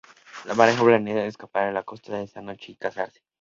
La pareja planea escapar a la costa esa noche y casarse.